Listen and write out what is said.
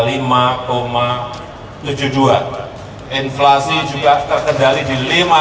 inflasi juga terkendali di lima